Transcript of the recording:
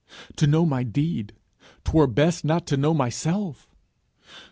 To know my deed, 'twere best not know myself!